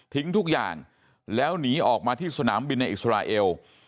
ทุกอย่างแล้วหนีออกมาที่สนามบินในอิสราเอล